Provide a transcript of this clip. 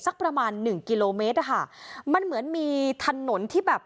สักประมาณหนึ่งกิโลเมตรอะค่ะมันเหมือนมีถนนที่แบบ